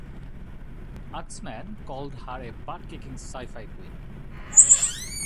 AskMen called her a butt-kicking sci-fi queen.